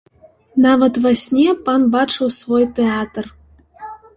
Нават ва сне пан бачыў свой тэатр.